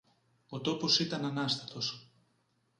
Ο τόπος ήταν ανάστατος.